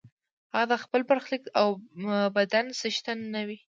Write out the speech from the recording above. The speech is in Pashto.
هغه د خپل برخلیک او بدن څښتن نه وي.